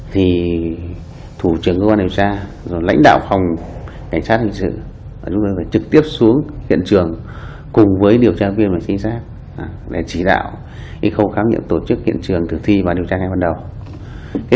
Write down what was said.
thì thủ trưởng cơ quan điều tra lãnh đạo phòng cảnh sát hình sự phải trực tiếp xuống kiện trường cùng với điều tra viên và trinh sát để chỉ đạo khẩu khám nghiệm tổ chức kiện trường thử thi và điều tra ngay bắt đầu